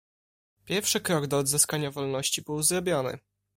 "Pierwszy krok do odzyskania wolności był zrobiony."